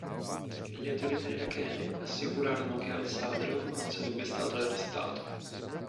Le autorità irachene assicurarono che al-Ṣadr non sarebbe stato arrestato.